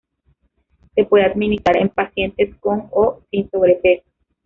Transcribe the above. Se puede administrar en pacientes con o sin sobrepeso.